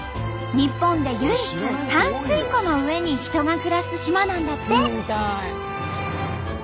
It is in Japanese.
日本で唯一淡水湖の上に人が暮らす島なんだって！